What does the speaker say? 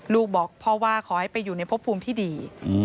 ลูกบอกพ่อว่าขอให้ไปอยู่ในพบภูมิที่ดี